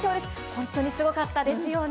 本当にすごかったですよね。